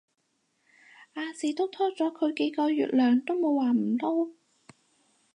亞視都拖咗佢幾個月糧都冇話唔撈